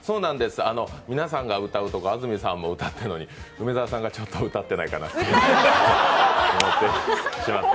皆さんが歌うところ、安住さんも歌ってるのに、梅澤さんがちょっと歌ってないかなと思ってしまって。